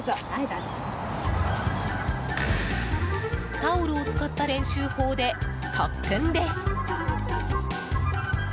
タオルを使った練習法で特訓です。